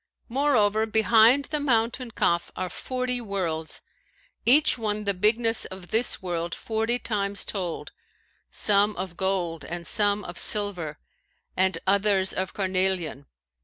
Moreover, behind the mountain Kaf are forty worlds, each one the bigness of this world forty times told, some of gold and some of silver and others of carnelian.